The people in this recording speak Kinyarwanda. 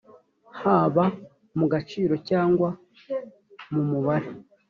haba mu gaciro cyangwa mu mubare